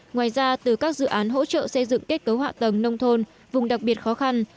ngoài ra từ các dự án hỗ trợ xây dựng kết cấu hạ tầng nông thôn vùng đặc biệt khó khăn